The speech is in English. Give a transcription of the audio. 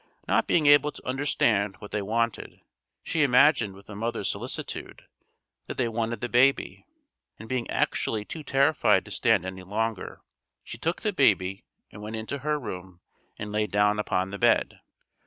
Not being able to understand what they wanted, she imagined with a mother's solicitude, that they wanted the baby, and being actually too terrified to stand any longer, she took the baby and went into her room and laid down upon the bed.